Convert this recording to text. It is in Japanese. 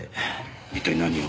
一体何を？